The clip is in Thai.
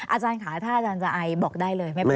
อาจารย์ค่ะถ้าอาจารย์จะไอบอกได้เลยไม่เป็น